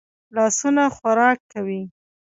لاسونه خوراک کوي